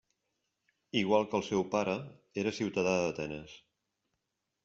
Igual que el seu pare era ciutadà d'Atenes.